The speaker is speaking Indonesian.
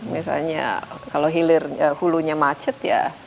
misalnya kalau hulunya macet